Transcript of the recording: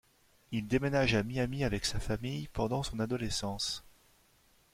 Il déménage à Miami avec sa famille pendant son adolescence.